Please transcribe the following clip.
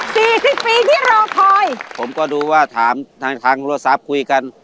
สี่สิบปีที่รอคอยผมก็ดูว่าถามทางทางโลสาปคุยกัน